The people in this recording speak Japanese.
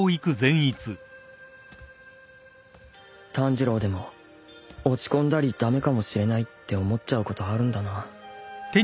炭治郎でも落ち込んだり駄目かもしれないって思っちゃうことあるんだな